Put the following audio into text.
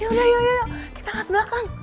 yaudah yuk kita lihat belakang